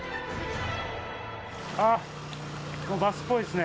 あっバスっぽいですね。